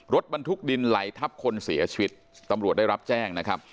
รถบรรทุกดินไหลทับคนเสียชีวิตตำรวจได้รับแจ้งนะครับ